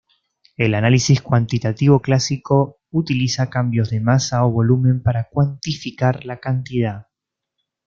El análisis cuantitativo clásico utiliza cambios de masa o volumen para cuantificar la cantidad.